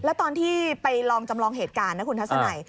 แล้วตอนที่ไปลองจำลองเหตุการณ์นะคุณทัศนัย